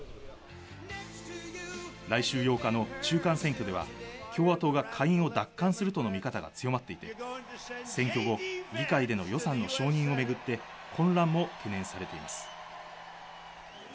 来週８日の中間選挙では共和党が下院を奪還するとの見方が強まっていて、選挙後、議会への予算の承認をめぐって混乱も懸念されています。